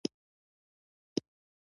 له کاره ولوېده.